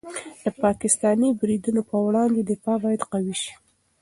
د پاکستاني بریدونو په وړاندې دفاع باید قوي شي.